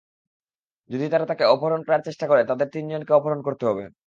যদি তারা তাকে অপহরণ করার চেষ্টা করে, তাদের তিনজনকে অপহরণ করতে হবে।